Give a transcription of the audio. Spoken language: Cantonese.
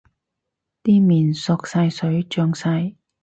啲麵索晒水脹晒